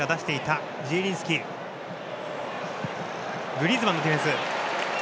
グリーズマンのディフェンス。